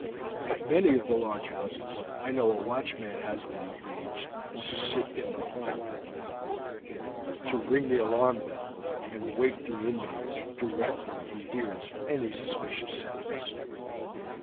At many of the large houses I know a watchman has been engaged to sit in the hall all night, to ring the alarm bell and wake the inmates directly he hears any suspicious sounds.